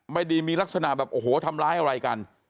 ไม่ได้มีลักษณะแบบโอ้โหทำร้ายอะไรกัน